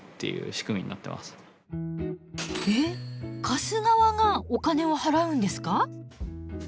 貸す側がお金を払うんですか？